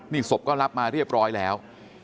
นี่ศพก็รับมาเรียบร้อยแล้ว